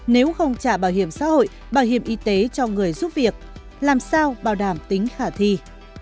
nếu không trả bảo hiểm xã hội bảo hiểm y tế cho người giúp việc làm sao bảo đảm tính khả thi